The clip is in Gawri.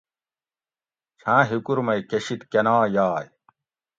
چھاں ھیکور مئ کہۤ شید کۤنا یائ